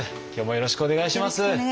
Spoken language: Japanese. よろしくお願いします。